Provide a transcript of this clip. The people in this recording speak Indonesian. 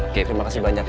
oke terima kasih banyak ya